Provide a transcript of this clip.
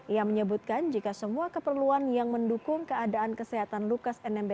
ia menyebutkan jika semua keperluan yang mendukung keadaan kesehatan lukas nmb